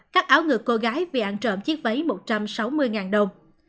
cắt áo ngược cô gái vì ăn trộm chiếc váy một trăm sáu mươi đồng